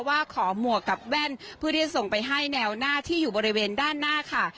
ว่าขอหมวกกับแว่นเพื่อที่จะส่งไปให้แนวหน้าที่อยู่บริเวณด้านหน้าค่ะ